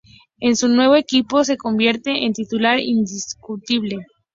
En su nuevo equipo se convierte en titular indiscutible.